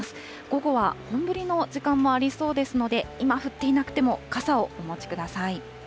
午後は本降りの時間もありそうですので、今降っていなくても、傘をお持ちください。